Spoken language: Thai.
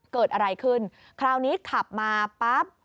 เกิดอะไรขึ้นคราวนี้ขับมาปั๊บ